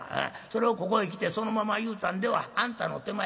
それをここへ来てそのまま言うたんではあんたの手前